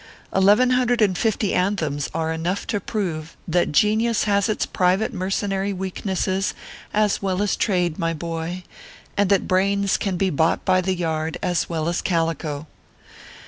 Eleven hundred and fifty an 56 ORPHEUS C. KERR PAPERS. thems are enough to prove that Genius has its private mercenary weaknesses as well as Trade, my boy, and that brains can be bought by the yard as well as cal ico.